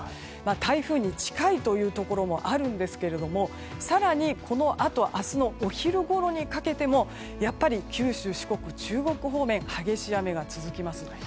台風に近いというところもあるんですけれども更に、このあと明日のお昼ごろにかけてもやっぱり九州、四国・中国中国方面激しい雨が続きます。